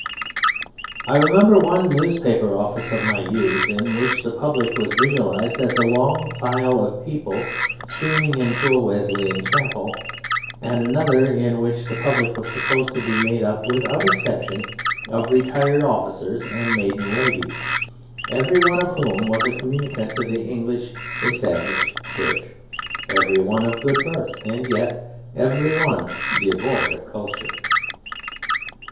I remember one newspaper office of my youth in which the Public was visualized as a long file of people streaming into a Wesleyan chapel, and another in which the Public was supposed to be made up without exception of retired officers and maiden ladies, every one of whom was a communicant of the English Established Church, every one of good birth, and yet every one devoid of culture.